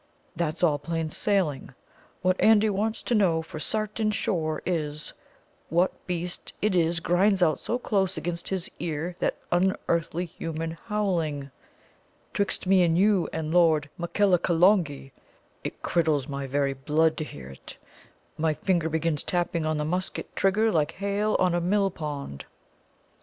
that's all plain sailing. What Andy wants to know for sartin sure is: what beast it is grinds out so close against his ear that unearthly human howling? 'Twixt me and you and Lord Makellacolongee, it criddles my very blood to hear it. My finger begins tapping on the musket trigger like hail on a millpond."